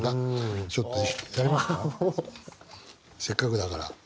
せっかくだから。